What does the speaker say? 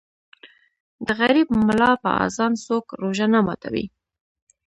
ـ د غریب ملا په اذان څوک روژه نه ماتوي.